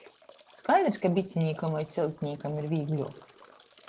Skaidrys, ka bitinīkam voi ceļtnīkam ir vīgļuok.